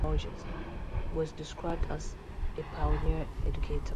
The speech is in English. He was described as "a pioneer educator".